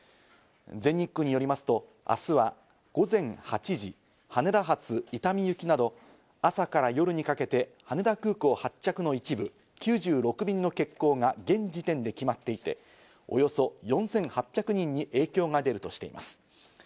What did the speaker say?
全日空によりますと、明日は午前８時羽田発伊丹行きなど朝から夜にかけて羽田空港発着の一部、９６便の欠航が現時点で決まっていて、およそ４８００人に影響が出るとしています。